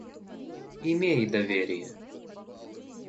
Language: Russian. Имей доверие.